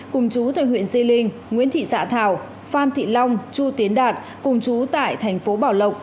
cùng chú tại huyện di linh nguyễn thị xã thảo phan thị long chu tiến đạt cùng chú tại thành phố bảo lộc